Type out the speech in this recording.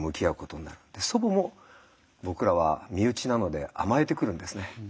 祖母も僕らは身内なので甘えてくるんですね。